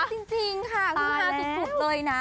จริงค่ะคือฮาสุดเลยนะ